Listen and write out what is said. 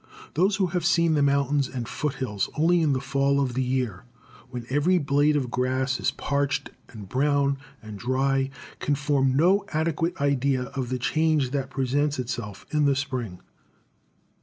Those who have seen the mountains and foot hills only in the fall of the year, when every blade of grass is parched and brown and dry, can form no adequate idea of the change that presents itself in the spring.